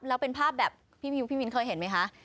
และเป็นภาพแบบพี่มิเห็นไหมคะ